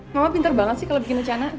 mama pinter banget sih kalau bikin rencana